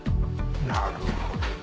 なるほどな。